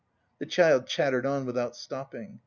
The child chattered on without stopping.